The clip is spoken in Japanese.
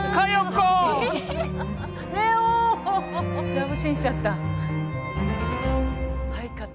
ラブシーンしちゃった。